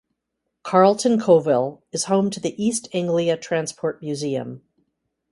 Carlton Colville is home to the East Anglia Transport Museum.